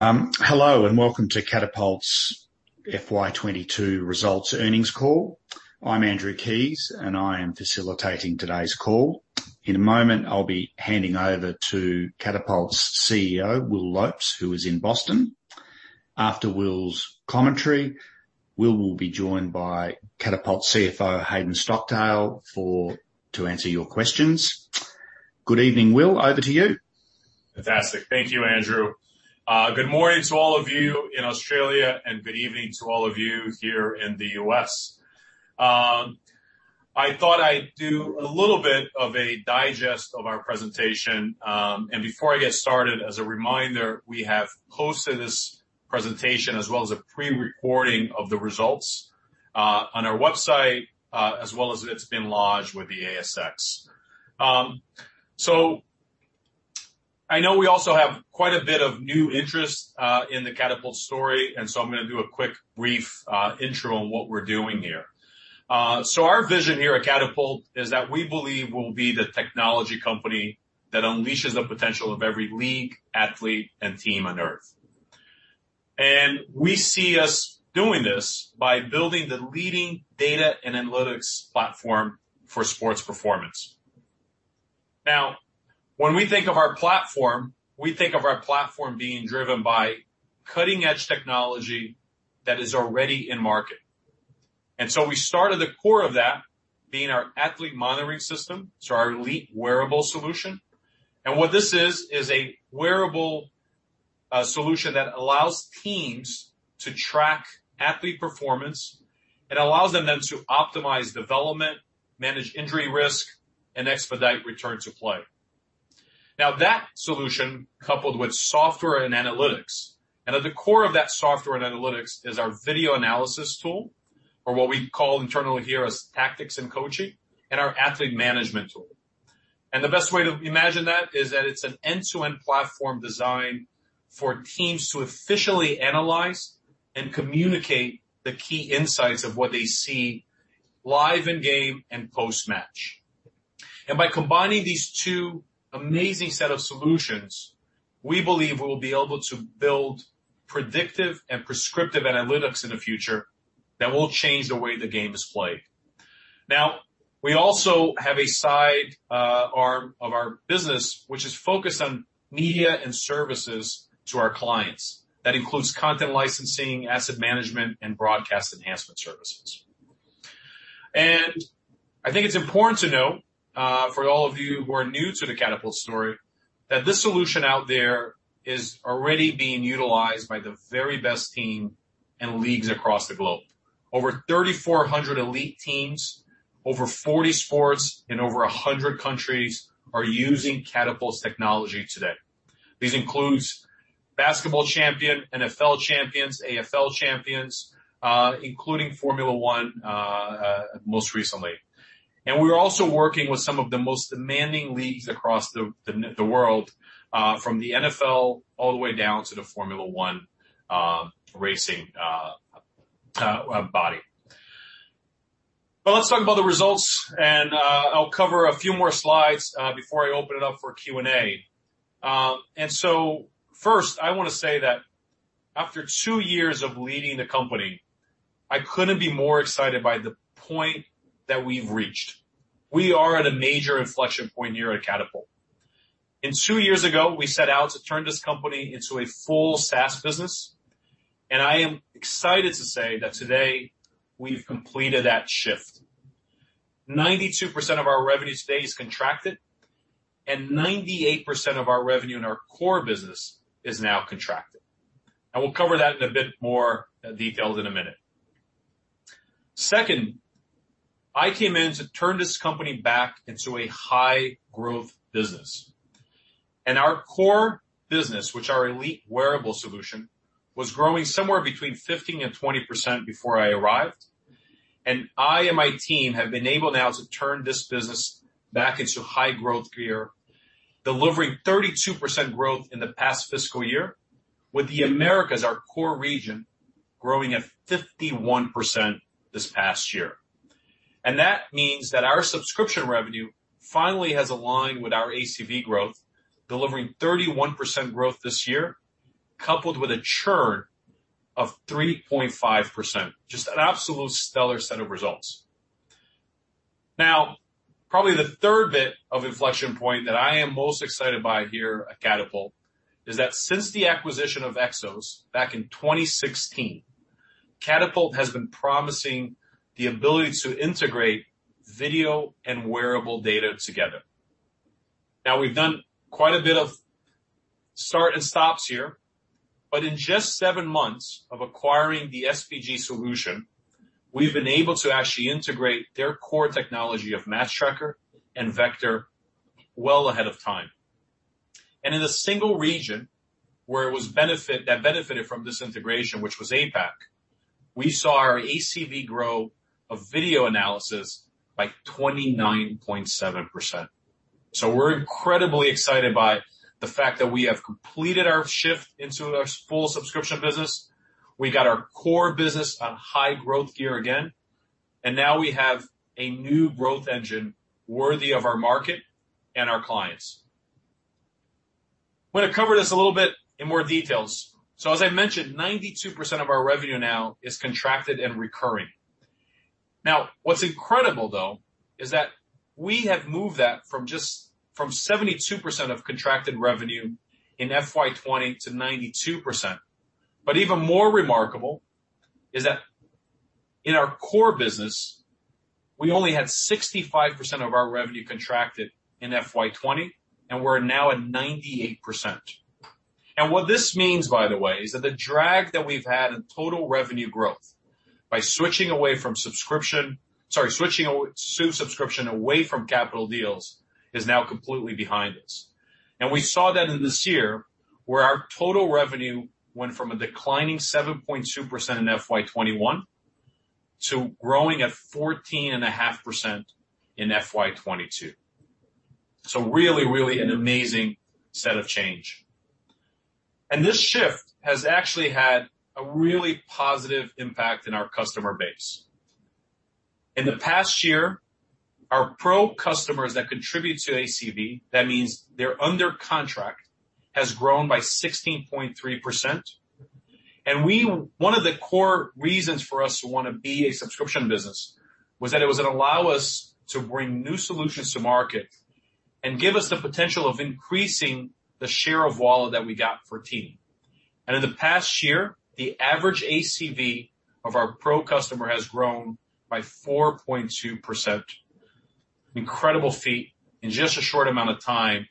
Hello and welcome to Catapult's FY 2022 results earnings call. I'm Andrew Keys, and I am facilitating today's call. In a moment, I'll be handing over to Catapult's CEO, Will Lopes, who is in Boston. After Will's commentary, Will will be joined by Catapult CFO, Hayden Stockdale, to answer your questions. Good evening, Will, over to you. Fantastic. Thank you, Andrew. Good morning to all of you in Australia, and good evening to all of you here in the U.S. I thought I'd do a little bit of a digest of our presentation. Before I get started, as a reminder, we have posted this presentation as well as a pre-recording of the results on our website, as well as it's been lodged with the ASX. I know we also have quite a bit of new interest in the Catapult story, and so I'm going to do a quick brief intro on what we're doing here. Our vision here at Catapult is that we believe we'll be the technology company that unleashes the potential of every league, athlete, and team on Earth. We see us doing this by building the leading data and analytics platform for sports performance. Now, when we think of our platform, we think of our platform being driven by cutting-edge technology that is already in market. We start at the core of that being our athlete monitoring system, so our elite wearable solution. What this is a wearable solution that allows teams to track athlete performance. It allows them then to optimize development, manage injury risk, and expedite return to play. Now that solution coupled with software and analytics, and at the core of that software and analytics is our video analysis tool, or what we call internally here as tactics and coaching, and our athlete management tool. The best way to imagine that is that it's an end-to-end platform design for teams to officially analyze and communicate the key insights of what they see live in game and post-match. By combining these two amazing set of solutions, we believe we'll be able to build predictive and prescriptive analytics in the future that will change the way the game is played. Now, we also have a side, arm of our business, which is focused on media and services to our clients. That includes content licensing, asset management, and broadcast enhancement services. I think it's important to note, for all of you who are new to the Catapult story, that this solution out there is already being utilized by the very best team and leagues across the globe. Over 3,400 elite teams, over 40 sports, in over 100 countries are using Catapult's technology today. These include basketball champion, NFL champions, AFL champions, including Formula One, most recently. We're also working with some of the most demanding leagues across the world, from the NFL all the way down to the Formula One racing body. Let's talk about the results, I'll cover a few more slides before I open it up for Q&A. First, I want to say that after two years of leading the company, I couldn't be more excited by the point that we've reached. We are at a major inflection point here at Catapult. Two years ago, we set out to turn this company into a full SaaS business, and I am excited to say that today we've completed that shift. 92% of our revenue today is contracted, and 98% of our revenue in our core business is now contracted. I will cover that in a bit more detail in a minute. Second, I came in to turn this company back into a high-growth business. Our core business, which our elite wearable solution, was growing somewhere between 15% and 20% before I arrived. I and my team have been able now to turn this business back into high growth gear, delivering 32% growth in the past fiscal year, with the Americas, our core region, growing at 51% this past year. That means that our subscription revenue finally has aligned with our ACV growth, delivering 31% growth this year, coupled with a churn of 3.5%. Just an absolute stellar set of results. Probably the third bit of inflection point that I am most excited by here at Catapult is that since the acquisition of XOS back in 2016, Catapult has been promising the ability to integrate video and wearable data together. We've done quite a bit of start and stops here, but in just seven months of acquiring the SBG solution, we've been able to actually integrate their core technology of MatchTracker and Vector well ahead of time. In the single region where it was that benefited from this integration, which was APAC, we saw our ACV grow of video analysis by 29.7%. We're incredibly excited by the fact that we have completed our shift into our full subscription business. We got our core business on high growth gear again. Now we have a new growth engine worthy of our market and our clients. I'm going to cover this a little bit in more details. As I mentioned, 92% of our revenue now is contracted and recurring. Now, what's incredible, though, is that we have moved that from just from 72% of contracted revenue in FY 2020 to 92%. Even more remarkable is that in our core business, we only had 65% of our revenue contracted in FY 2020, and we're now at 98%. What this means, by the way, is that the drag that we've had in total revenue growth by switching subscription away from capital deals is now completely behind us. We saw that in this year, where our total revenue went from a declining 7.2% in FY 2021 to growing at 14.5% in FY 2022. Really an amazing set of change. This shift has actually had a really positive impact in our customer base. In the past year, our pro customers that contribute to ACV, that means they're under contract, has grown by 16.3%. One of the core reasons for us to want to be a subscription business was that it was going to allow us to bring new solutions to market and give us the potential of increasing the share of wallet that we got for team. In the past year, the average ACV of our pro customer has grown by 4.2%. Incredible feat in just a short amount of time.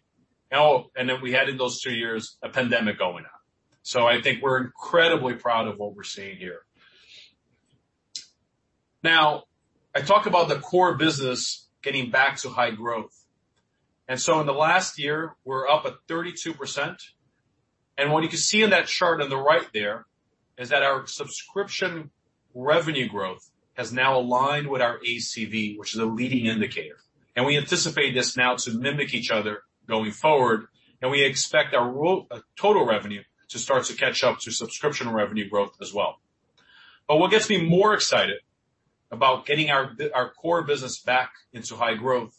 Hell, then we had in those two years a pandemic going on. I think we're incredibly proud of what we're seeing here. Now, I talk about the core business getting back to high growth. In the last year, we're up 32%. What you can see in that chart on the right there is that our subscription revenue growth has now aligned with our ACV, which is a leading indicator. We anticipate this now to mimic each other going forward. We expect our total revenue to start to catch up to subscription revenue growth as well. What gets me more excited about getting our core business back into high growth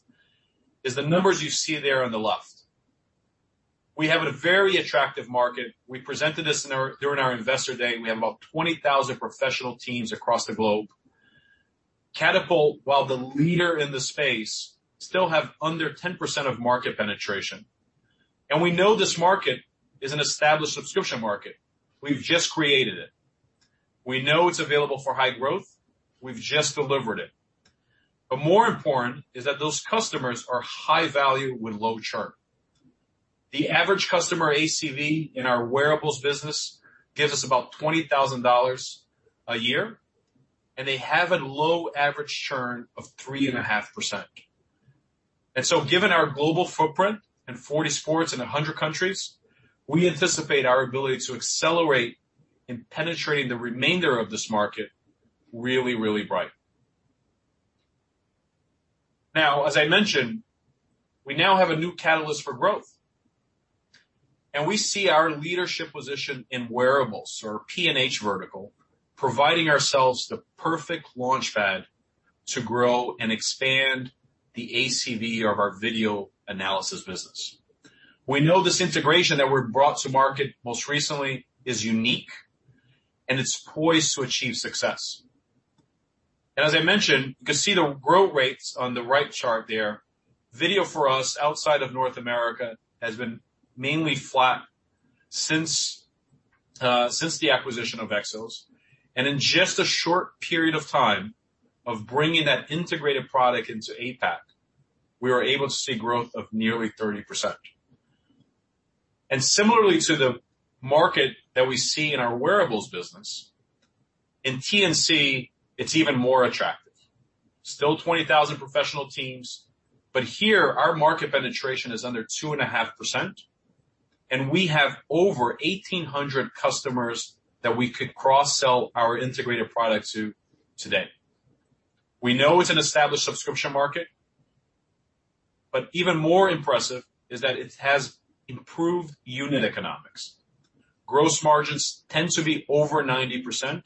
is the numbers you see there on the left. We have a very attractive market. We presented this during our investor day. We have about 20,000 professional teams across the globe. Catapult, while the leader in the space, still have under 10% of market penetration. We know this market is an established subscription market. We've just created it. We know it's available for high growth. We've just delivered it. More important is that those customers are high value with low churn. The average customer ACV in our wearables business gives us about 20,000 dollars a year, and they have a low average churn of 3.5%. Given our global footprint in 40 sports in 100 countries, we anticipate our ability to accelerate in penetrating the remainder of this market really, really bright. Now, as I mentioned, we now have a new catalyst for growth, and we see our leadership position in wearables or Performance & Health vertical providing ourselves the perfect launchpad to grow and expand the ACV of our video analysis business. We know this integration that we brought to market most recently is unique, and it's poised to achieve success. As I mentioned, you can see the growth rates on the right chart there. Video for us outside of North America has been mainly flat since the acquisition of XOS. In just a short period of time of bringing that integrated product into APAC, we were able to see growth of nearly 30%. Similarly to the market that we see in our wearables business, in T&C, it's even more attractive. Still 20,000 professional teams, but here our market penetration is under 2.5%, and we have over 1,800 customers that we could cross-sell our integrated product to today. We know it's an established subscription market, but even more impressive is that it has improved unit economics. Gross margins tend to be over 90%.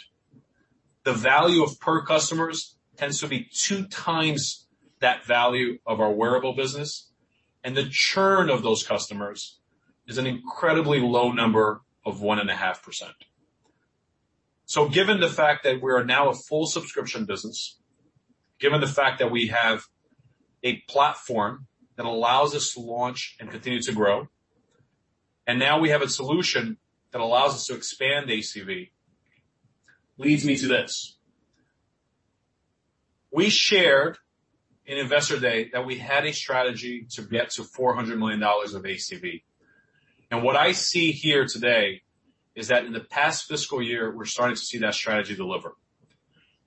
The value per customer tends to be 2x that value of our wearable business, and the churn of those customers is an incredibly low number of 1.5%. Given the fact that we're now a full subscription business, given the fact that we have a platform that allows us to launch and continue to grow, and now we have a solution that allows us to expand ACV, leads me to this. We shared in Investor Day that we had a strategy to get to $400 million of ACV. What I see here today is that in the past fiscal year, we're starting to see that strategy deliver.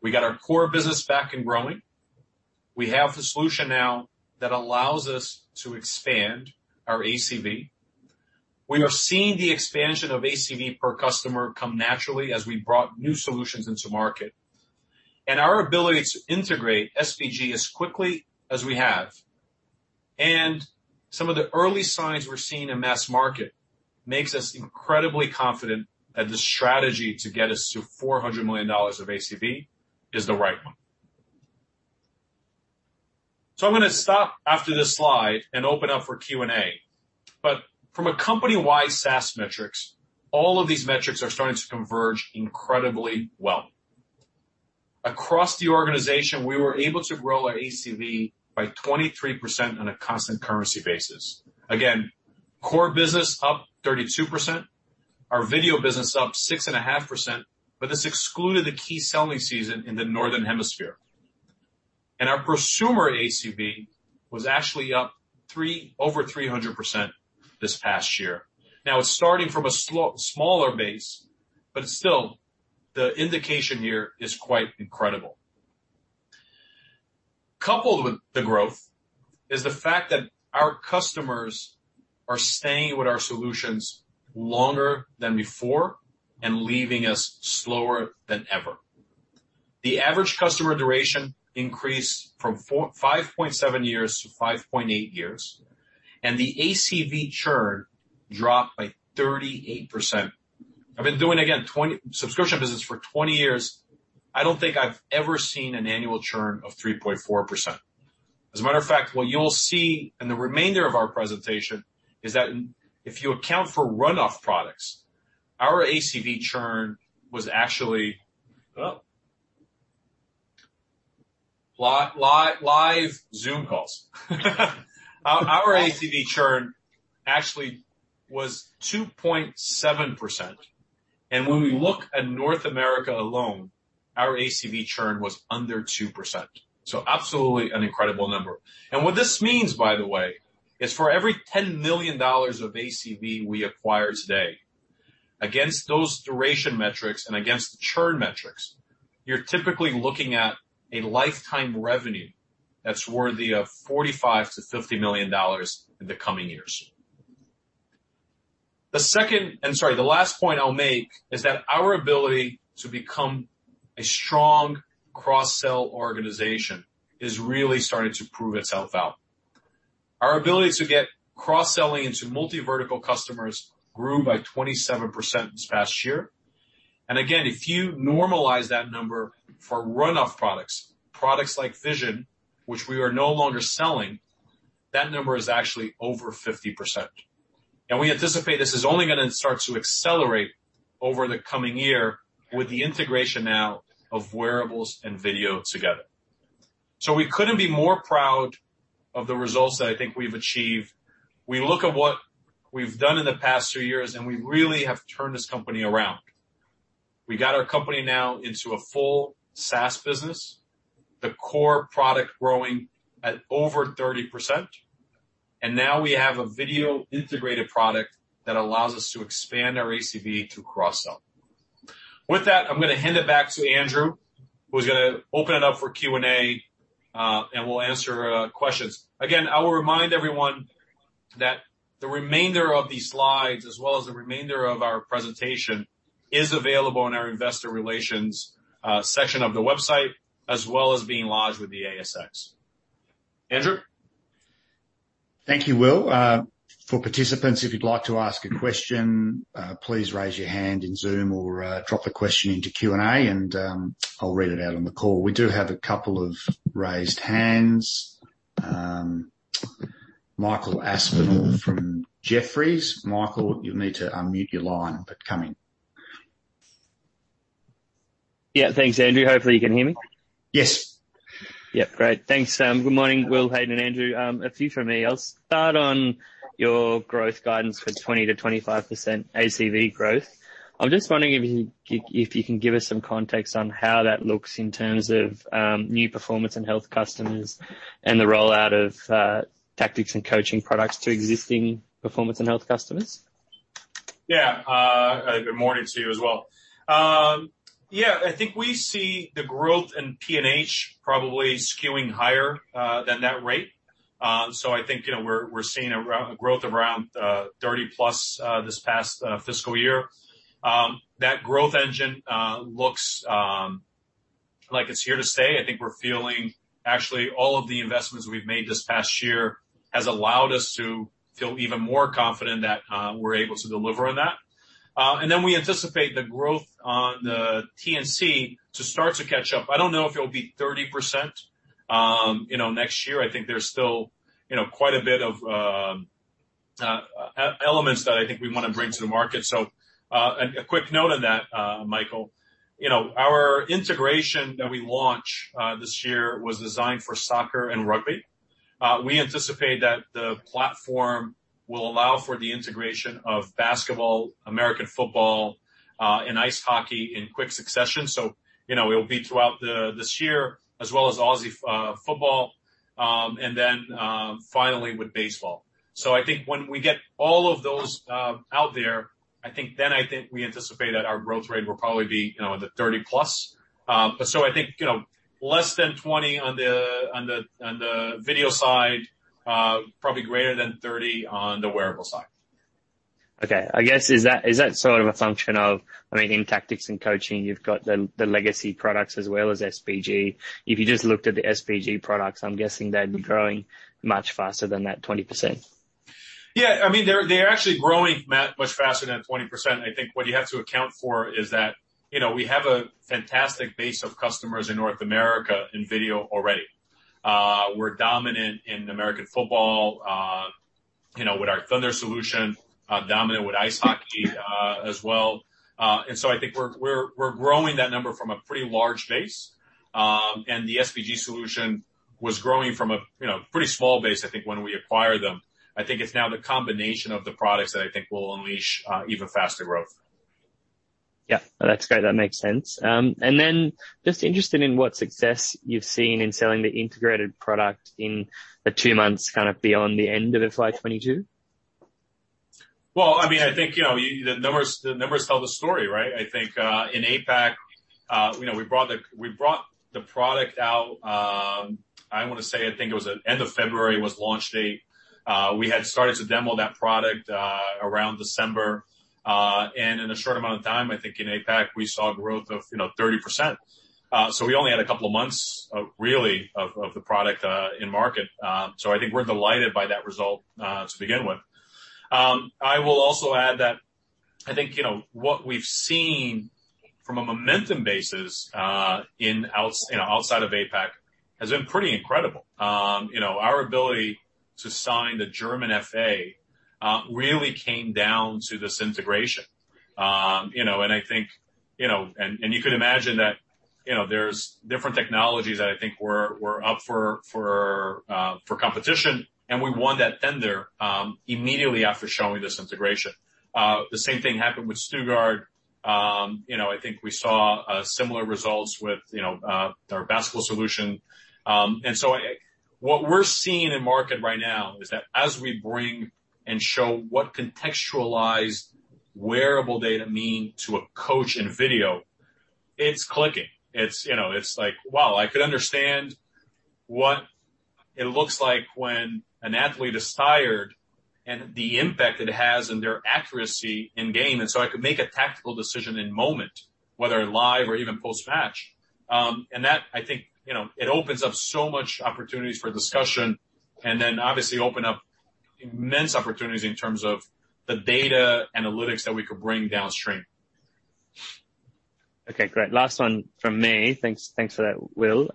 We got our core business back and growing. We have the solution now that allows us to expand our ACV. We are seeing the expansion of ACV per customer come naturally as we brought new solutions into market. Our ability to integrate SBG as quickly as we have. Some of the early signs we're seeing in mass market makes us incredibly confident that the strategy to get us to $400 million of ACV is the right one. I'm going to stop after this slide and open up for Q&A. From a company-wide SaaS metrics, all of these metrics are starting to converge incredibly well. Across the organization, we were able to grow our ACV by 23% on a constant currency basis. Again, core business up 32%. Our video business up 6.5%, but this excluded the key selling season in the Northern Hemisphere. Our prosumer ACV was actually up over 300% this past year. Now, it's starting from a smaller base, but still, the indication here is quite incredible. Coupled with the growth is the fact that our customers are staying with our solutions longer than before and leaving us slower than ever. The average customer duration increased from 5.7 Years to 5.8 years, and the ACV churn dropped by 38%. I've been doing subscription business for 20 years. I don't think I've ever seen an annual churn of 3.4%. As a matter of fact, what you'll see in the remainder of our presentation is that if you account for run-off products, our ACV churn was actually 2.7%, and when we look at North America alone, our ACV churn was under 2%. Absolutely an incredible number. What this means, by the way, is for every $10 million of ACV we acquire today, against those duration metrics and against the churn metrics, you're typically looking at a lifetime revenue that's worthy of $45 million-$50 million in the coming years. The last point I'll make is that our ability to become a strong cross-sell organization is really starting to prove itself out. Our ability to get cross-selling into multi-vertical customers grew by 27% this past year. And again, if you normalize that number for run-off products like Vision, which we are no longer selling, that number is actually over 50%. We anticipate this is only going to start to accelerate over the coming year with the integration now of wearables and video together. We couldn't be more proud of the results that I think we've achieved. We look at what we've done in the past two years, and we really have turned this company around. We got our company now into a full SaaS business, the core product growing at over 30%, and now we have a video-integrated product that allows us to expand our ACV through cross-sell. With that, I'm going to hand it back to Andrew Keys, who's going to open it up for Q&A, and we'll answer questions. Again, I will remind everyone that the remainder of these slides, as well as the remainder of our presentation, is available on our investor relations section of the website, as well as being lodged with the ASX. Andrew? Thank you, Will. For participants, if you'd like to ask a question, please raise your hand in Zoom or drop a question into Q&A and I'll read it out on the call. We do have a couple of raised hands. Michael Aspinall from Jefferies. Michael, you'll need to unmute your line, but come in. Yeah. Thanks, Andrew. Hopefully you can hear me. Yes. Yeah. Great. Thanks. Good morning, Will, Hayden, and Andrew. A few from me. I'll start on your growth guidance for 20% to 25% ACV growth. I'm just wondering if you can give us some context on how that looks in terms of new Performance & Health customers and the rollout of tactics and coaching products to existing Performance & Health customers. Yeah. Good morning to you as well. Yeah, I think we see the growth in P&H probably skewing higher than that rate. I think, you know, we're seeing growth around 30%+ this past fiscal year. That growth engine looks like it's here to stay. I think we're feeling. Actually, all of the investments we've made this past year has allowed us to feel even more confident that we're able to deliver on that. We anticipate the growth on the T&C to start to catch up. I don't know if it'll be 30%, you know, next year. I think there's still, you know, quite a bit of elements that I think we want to bring to the market. A quick note on that, Michael. You know, our integration that we launched this year was designed for soccer and rugby. We anticipate that the platform will allow for the integration of basketball, American football, and ice hockey in quick succession. You know, it'll be throughout this year as well as Aussie football and then finally with baseball. I think when we get all of those out there, I think we anticipate that our growth rate will probably be, you know, in the 30%+. But I think, you know, less than 20% on the video side, probably greater than 30% on the wearable side. Okay. I guess, is that sort of a function of, I mean, in tactics and coaching, you've got the legacy products as well as SBG. If you just looked at the SBG products, I'm guessing they'd be growing much faster than that 20%. Yeah. I mean, they're actually growing much faster than 20%. I think what you have to account for is that, you know, we have a fantastic base of customers in North America in video already. We're dominant in American football, you know, with our Thunder solution, dominant with ice hockey, as well. I think we're growing that number from a pretty large base. The SBG solution was growing from a, you know, pretty small base, I think, when we acquired them. I think it's now the combination of the products that I think will unleash even faster growth. Yeah. No, that's great. That makes sense. Just interested in what success you've seen in selling the integrated product in the two months kind of beyond the end of FY 2022? Well, I mean, I think, you know, the numbers tell the story, right? I think in APAC, you know, we brought the product out. I want to say, I think it was at end of February was launch date. We had started to demo that product around December. And in a short amount of time, I think in APAC, we saw growth of, you know, 30%. So we only had a couple of months really of the product in market. I think we're delighted by that result to begin with. I will also add that I think, you know, what we've seen from a momentum basis, you know, outside of APAC, has been pretty incredible. You know, our ability to sign the German FA really came down to this integration. You know, I think you could imagine that there's different technologies that I think were up for competition, and we won that tender immediately after showing this integration. The same thing happened with Stuttgart. You know, I think we saw similar results with our basketball solution. What we're seeing in market right now is that as we bring and show what contextualized wearable data mean to a coach in video, it's clicking. It's, you know, it's like, wow, I could understand what it looks like when an athlete is tired and the impact it has on their accuracy in game, and so I could make a tactical decision in moment, whether live or even post-match. That I think, you know, it opens up so much opportunities for discussion, and then obviously open up immense opportunities in terms of the data analytics that we could bring downstream. Okay, great. Last one from me. Thanks for that, Will.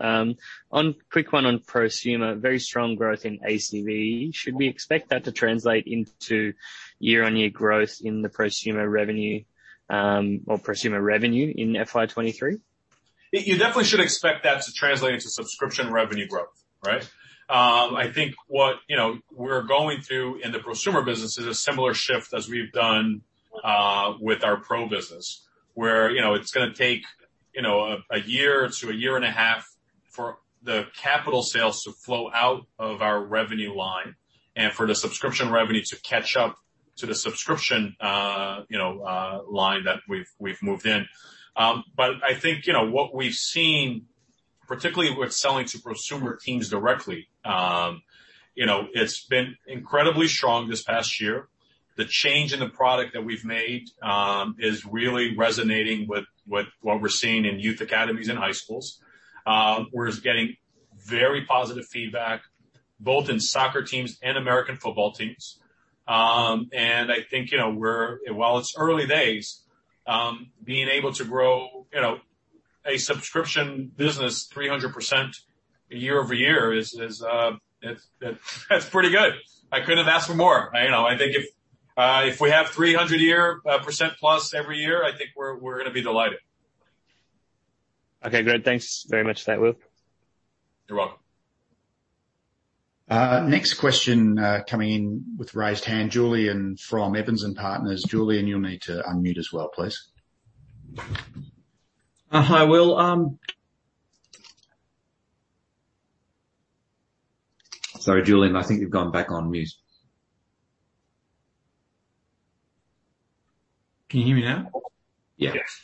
Quick one on prosumer. Very strong growth in ACV. Should we expect that to translate into year-on-year growth in the prosumer revenue, or prosumer revenue in FY 2023? You definitely should expect that to translate into subscription revenue growth, right? I think, you know, we're going through in the prosumer business is a similar shift as we've done with our pro business, where, you know, it's going to take, you know, a year to a year and a half for the capital sales to flow out of our revenue line and for the subscription revenue to catch up to the subscription line that we've moved in. But I think, you know, what we've seen, particularly with selling to prosumer teams directly, you know, it's been incredibly strong this past year. The change in the product that we've made is really resonating with what we're seeing in youth academies and high schools. We're just getting very positive feedback both in soccer teams and American football teams. While it's early days, being able to grow, you know, a subscription business 300% year over year is pretty good. I couldn't have asked for more. You know, I think if we have 300% a year plus every year, I think we're going to be delighted. Okay, great. Thanks very much for that, Will. You're welcome. Next question, coming in with raised hand. Julian from Evans & Partners. Julian, you'll need to unmute as well, please. Hi, Will. Sorry, Julian, I think you've gone back on mute. Can you hear me now? Yes. Yes.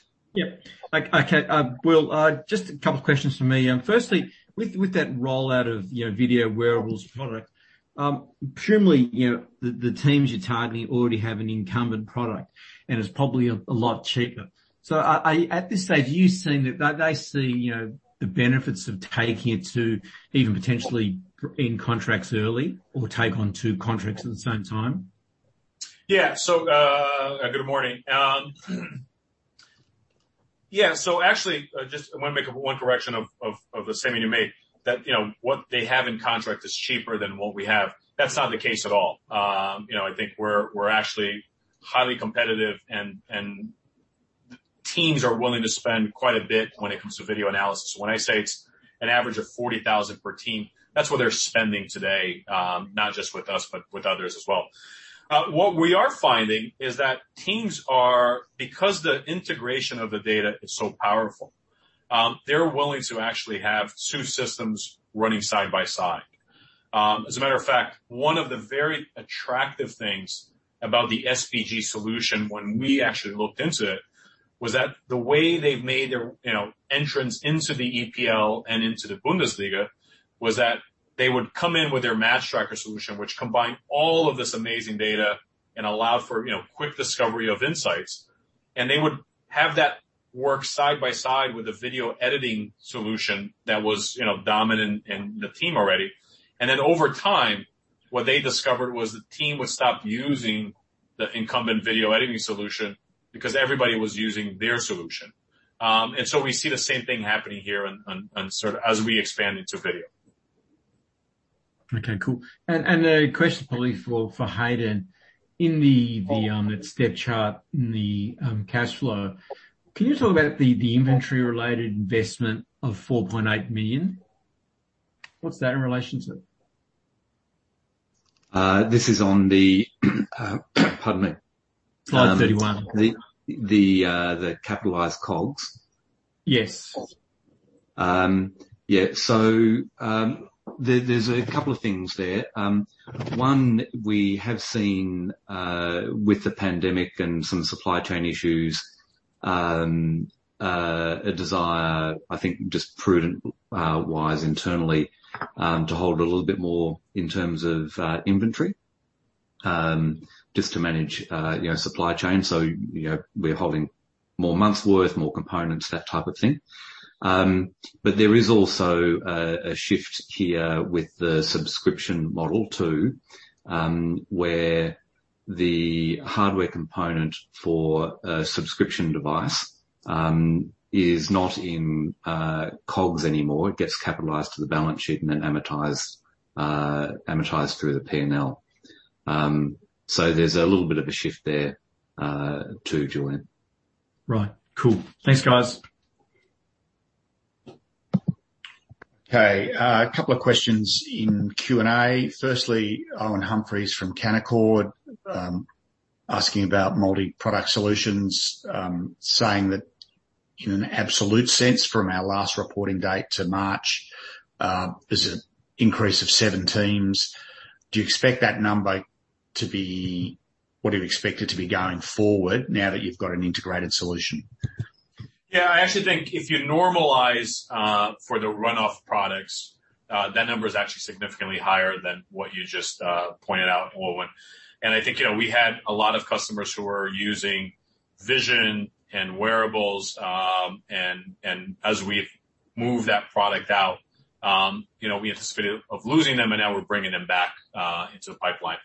Yep. Okay, Will, just a couple questions from me. Firstly, with that rollout of, you know, video wearables product, presumably, you know, the teams you're targeting already have an incumbent product, and it's probably a lot cheaper. At this stage, are you saying that they see, you know, the benefits of taking it to even potentially end contracts early or take on two contracts at the same time? Good morning. Actually, just I want to make one correction of the statement you made, that, you know, what they have in contract is cheaper than what we have. That's not the case at all. You know, I think we're actually highly competitive, and teams are willing to spend quite a bit when it comes to video analysis. When I say it's an average of 40,000 per team, that's what they're spending today, not just with us, but with others as well. What we are finding is that teams are, because the integration of the data is so powerful, they're willing to actually have two systems running side by side. As a matter of fact, one of the very attractive things about the SBG solution when we actually looked into it was that the way they've made their, you know, entrance into the EPL and into the Bundesliga was that they would come in with their MatchTracker solution, which combined all of this amazing data and allowed for, you know, quick discovery of insights. They would have that work side by side with a video editing solution that was, you know, dominant in the team already. Over time, what they discovered was the team would stop using the incumbent video editing solution because everybody was using their solution. We see the same thing happening here on sort of as we expand into video. Okay, cool. A question probably for Hayden. In the step chart in the cash flow, can you talk about the inventory-related investment of 4.8 million? What's that in relation to? Pardon me. The capitalized COGS. Yes. Yeah. There's a couple of things there. One, we have seen with the pandemic and some supply chain issues a desire, I think just prudent wise internally to hold a little bit more in terms of inventory just to manage you know supply chain. You know, we're holding more months worth, more components, that type of thing. But there is also a shift here with the subscription model too, where the hardware component for a subscription device is not in COGS anymore. It gets capitalized to the balance sheet and then amortized through the P&L. There's a little bit of a shift there too, Julian. Right. Cool. Thanks, guys. Okay. A couple of questions in Q&A. Firstly, Owen Humphries from Canaccord, asking about multi-product solutions, saying that in an absolute sense from our last reporting date to March, there's an increase of seven teams. What do you expect it to be going forward now that you've got an integrated solution? Yeah. I actually think if you normalize for the runoff products that number is actually significantly higher than what you just pointed out, Owen. I think you know we had a lot of customers who were using Vision and wearables. And as we've moved that product out you know we anticipated of losing them and now we're bringing them back into the pipeline.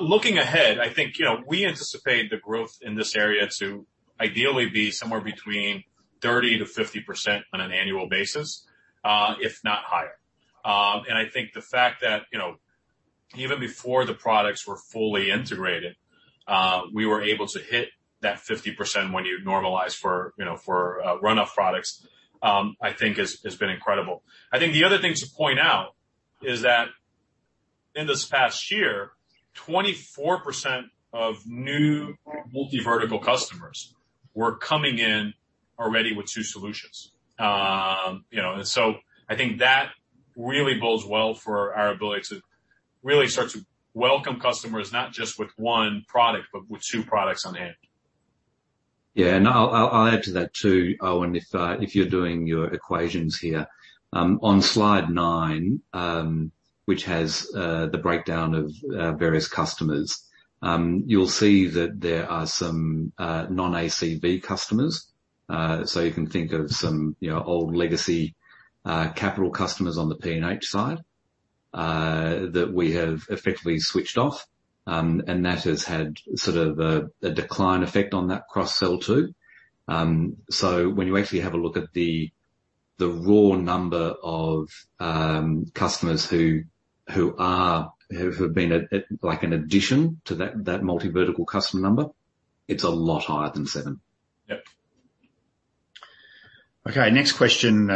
Looking ahead I think you know we anticipate the growth in this area to ideally be somewhere between 30%-50% on an annual basis if not higher. I think the fact that you know even before the products were fully integrated we were able to hit that 50% when you normalize for you know for runoff products I think has been incredible. I think the other thing to point out is that in this past year, 24% of new multi-vertical customers were coming in already with two solutions. You know, and so I think that really bodes well for our ability to really start to welcome customers, not just with one product, but with two products on hand. Yeah. I'll add to that too, Owen, if you're doing your equations here. On slide nine, which has the breakdown of various customers, you'll see that there are some non-ACV customers. You can think of some, you know, old legacy capital customers on the P&H side, that we have effectively switched off, and that has had sort of a decline effect on that cross-sell too. When you actually have a look at the raw number of customers who have been added to that multi-vertical customer number, it's a lot higher than seven. Okay. Next question,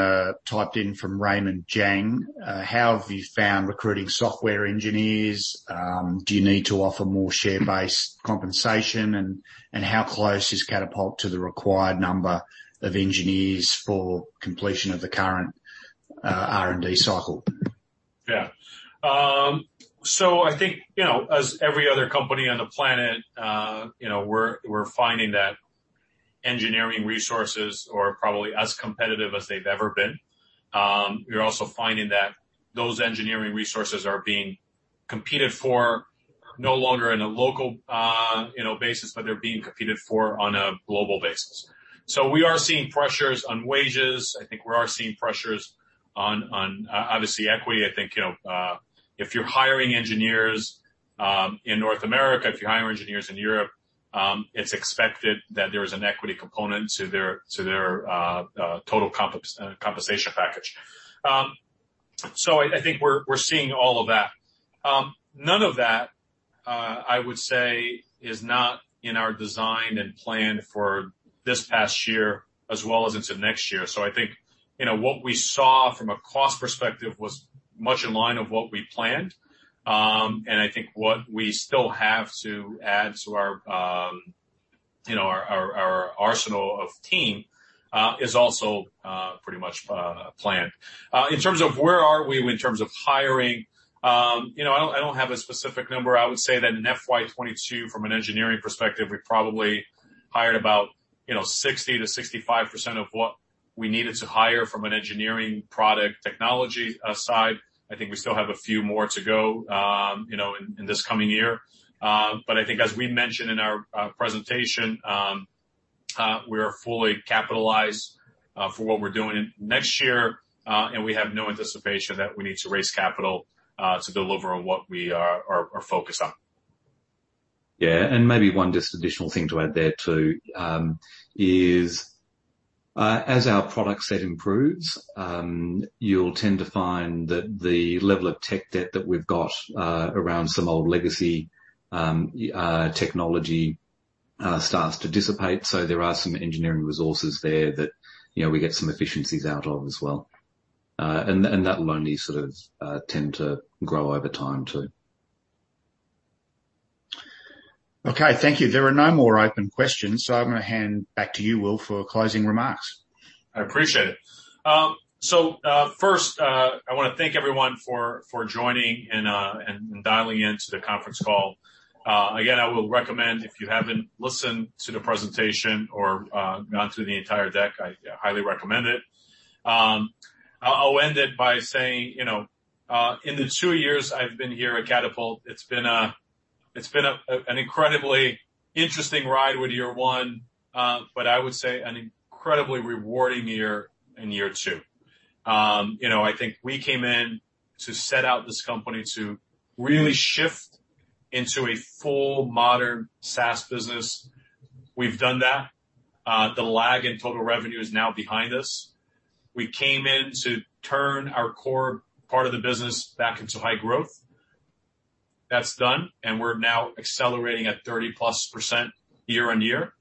typed in from [Raymond Jang]. How have you found recruiting software engineers? Do you need to offer more share-based compensation? How close is Catapult to the required number of engineers for completion of the current R&D cycle? Yeah. I think, you know, as every other company on the planet, you know, we're finding that engineering resources are probably as competitive as they've ever been. We're also finding that those engineering resources are being competed for no longer in a local, you know, basis, but they're being competed for on a global basis. We are seeing pressures on wages. I think we are seeing pressures on obviously equity. I think, you know, if you're hiring engineers in North America, if you're hiring engineers in Europe, it's expected that there is an equity component to their total compensation package. I think we're seeing all of that. None of that, I would say is not in our design and plan for this past year as well as into next year. I think, you know, what we saw from a cost perspective was much in line of what we planned. I think what we still have to add to our, you know, our arsenal of team is also pretty much planned. In terms of where are we in terms of hiring, you know, I don't have a specific number. I would say that in FY 2022, from an engineering perspective, we probably hired about, you know, 60%-65% of what we needed to hire from an engineering product technology side. I think we still have a few more to go, you know, in this coming year. I think as we mentioned in our presentation, we are fully capitalized for what we're doing next year, and we have no anticipation that we need to raise capital to deliver on what we are focused on. Yeah. Maybe one just additional thing to add there too, is as our product set improves, you'll tend to find that the level of tech debt that we've got around some old legacy technology starts to dissipate. There are some engineering resources there that, you know, we get some efficiencies out of as well. That'll only sort of tend to grow over time too. Okay, thank you. There are no more open questions, so I'm going to hand back to you, Will, for closing remarks. I appreciate it. First, I want to thank everyone for joining and dialing into the conference call. Again, I will recommend if you haven't listened to the presentation or gone through the entire deck, I highly recommend it. I'll end it by saying, you know, in the two years I've been here at Catapult, it's been an incredibly interesting ride with year one, but I would say an incredibly rewarding year in year two. You know, I think we came in to set out this company to really shift into a full modern SaaS business. We've done that. The lag in total revenue is now behind us. We came in to turn our core part of the business back into high growth. That's done. We're now accelerating at 30%+ year-on-year.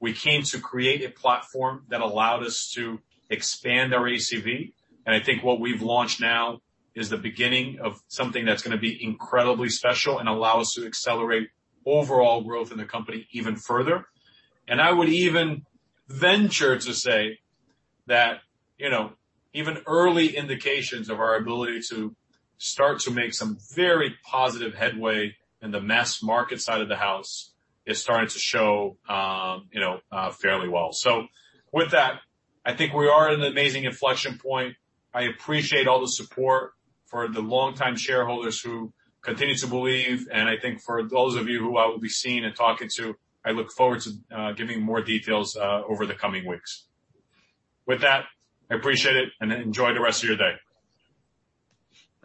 We came to create a platform that allowed us to expand our ACV, and I think what we've launched now is the beginning of something that's going to be incredibly special and allow us to accelerate overall growth in the company even further. I would even venture to say that, you know, even early indications of our ability to start to make some very positive headway in the mass market side of the house is starting to show, you know, fairly well. With that, I think we are at an amazing inflection point. I appreciate all the support for the longtime shareholders who continue to believe. I think for those of you who I will be seeing and talking to, I look forward to giving more details over the coming weeks. With that, I appreciate it, and enjoy the rest of your day.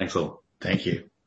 Thanks, Will. Thank you.